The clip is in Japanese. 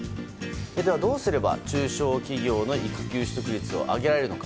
では、どうすれば中小企業の育休取得率を上げられるのか。